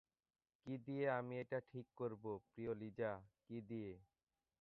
কি দিয়ে আমি এটা ঠিক করবো, প্রিয় লিজা, কি দিয়ে?